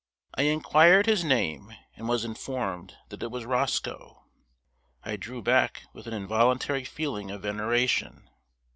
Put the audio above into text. I inquired his name, and was informed that it was ROSCOE. I drew back with an involuntary feeling of veneration.